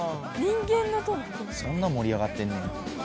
そんな盛り上がってんねや。